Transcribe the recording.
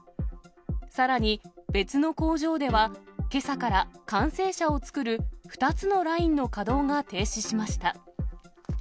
さらに別の工場では、けさから完成車を作る２つのラインの稼働が停止しました。